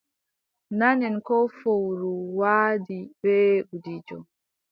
Nanen ko fowru waadi bee gudiijo.